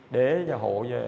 để cho hộ